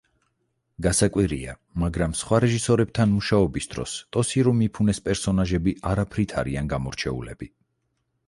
გასაკვირია, მაგრამ სხვა რეჟისორებთან მუშაობის დროს ტოსირო მიფუნეს პერსონაჟები არაფრით არიან გამორჩეულები.